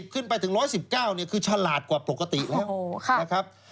๑๑๐ขึ้นไปถึง๑๑๙คือชลาดกว่าปกติแล้ว